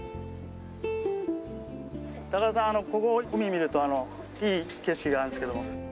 高田さんここ海見るといい景色があるんですけど。